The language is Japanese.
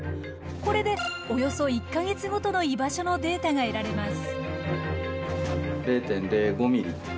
これでおよそ１か月ごとの居場所のデータが得られます。